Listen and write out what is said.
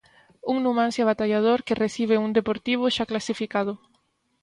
Un Numancia batallador que recibe un Deportivo xa clasificado.